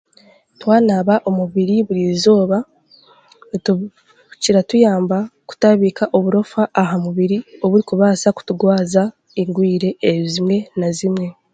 Twaanaaba omubiri burizooba, kiratuyamba kutabiika oburofa aha mubiri oburikubaasa kutugwaza endwire ezimwe na zimwe.